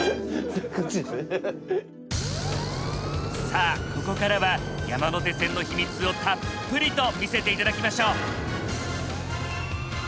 さあここからは山手線の秘密をたっぷりと見せて頂きましょう。